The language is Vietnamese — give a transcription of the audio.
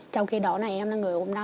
trong khi đó này em đã có một cái tương lai